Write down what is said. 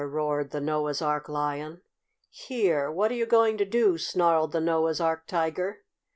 roared the Noah's Ark Lion. "Here! What are you going to do?" snarled the Noah's Ark Tiger.